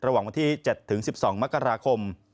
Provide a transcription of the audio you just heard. ระหว่างวันที่๗ถึง๑๒มกราคม